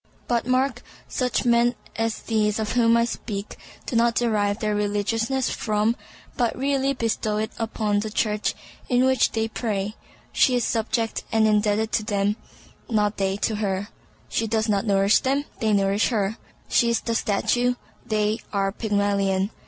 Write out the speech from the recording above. But mark, such men as these of whom I speak do not derive their religiousness from, but really bestow it upon the Church in which they pray. She is subject and indebted to them, not they to her. She does not nourish them, they nourish her. She is the statue, they are Pygmalion.